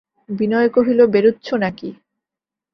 বিনয় কহিল, বেরোচ্ছ নাকি?